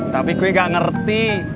tapi gue gak ngerti